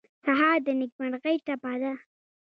سهار د نیکمرغۍ ټپه ده.